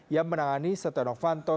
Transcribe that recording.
yang menangani setenovanto